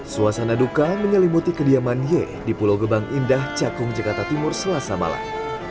suasana duka menyelimuti kediaman ye di pulau gebang indah cakung jakarta timur selasa malam